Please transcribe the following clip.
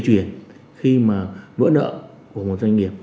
chuyển khi mà vỡ nợ của một doanh nghiệp